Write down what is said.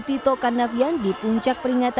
tito karnavian di puncak peringatan